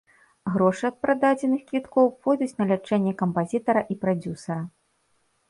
Грошы ад прададзеных квіткоў пойдуць на лячэнне кампазітара і прадзюсара.